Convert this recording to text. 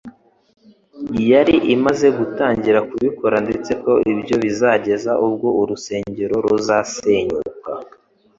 yari imaze gutangira kubikora, ndetse ko ibyo bizageza ubwo urusengero ruzasenyuka,